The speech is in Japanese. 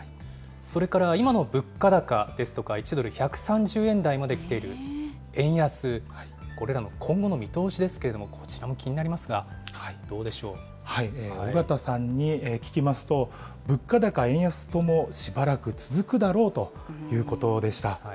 それから今の物価高ですとか、１ドル１３０円台まできている円安、これらの今後の見通しですけれども、こちらも気になりますが、小方さんに聞きますと、物価高・円安ともしばらく続くだろうということでした。